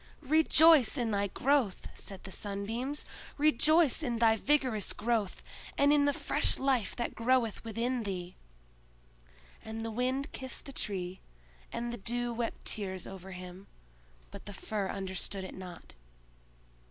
"Rejoice in thy growth!" said the Sunbeams, "rejoice in thy vigorous growth, and in the fresh life that groweth within thee!" And the Wind kissed the Tree, and the Dew wept tears over him; but the Fir understood it not.